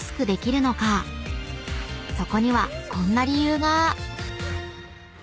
［そこにはこんな理由が］